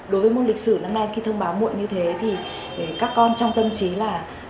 đối với môn lịch sử năm nay khi thông báo muộn như thế thì các con trong tâm trí là